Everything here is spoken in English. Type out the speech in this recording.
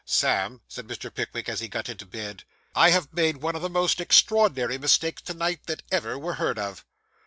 'Sam,' said Mr. Pickwick, as he got into bed, 'I have made one of the most extraordinary mistakes to night, that ever were heard of.